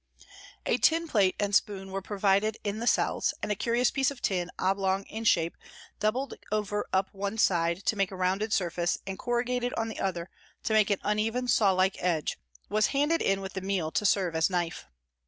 A tin plate and spoon were provided in the cells, and a curious piece of tin, oblong in shape, doubled over up one side to make a rounded surface and corrugated on the other to make an uneven saw like edge, was handed in with the meal to serve as knife.